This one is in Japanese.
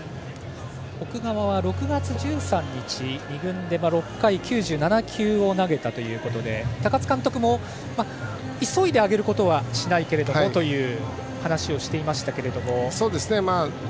奥川は、６月１３日２軍で６回９７球を投げたということで高津監督も急いで上げることはしないけどと話をしていました。